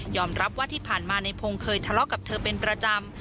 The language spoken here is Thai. รับว่าที่ผ่านมาในพงศ์เคยทะเลาะกับเธอเป็นประจำ